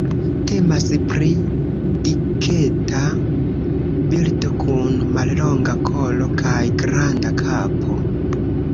Temas pri diketa birdo, kun mallonga kolo kaj granda kapo.